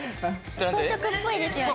草食っぽいですよね。